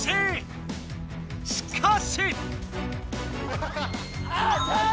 しかし。